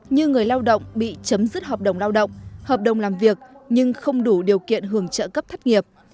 như người lao động bị chấm dứt hợp đồng lao động hợp đồng làm việc nhưng không đủ điều kiện hưởng trợ cấp thất nghiệp